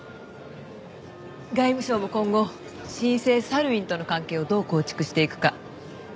外務省も今後新生サルウィンとの関係をどう構築していくか大変ね。